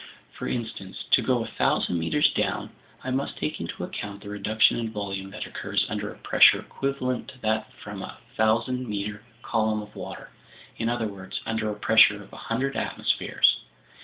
For instance, to go 1,000 meters down, I must take into account the reduction in volume that occurs under a pressure equivalent to that from a 1,000 meter column of water, in other words, under a pressure of 100 atmospheres.